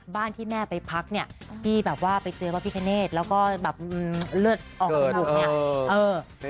ที่แม่ไปพักเนี่ยที่แบบว่าไปเจอพระพิคเนธแล้วก็แบบเลือดออกจมูกเนี่ยเออ